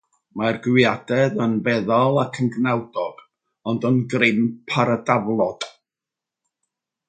Mae'r gweadedd yn feddal ac yn gnawdog, ond yn grimp ar y daflod.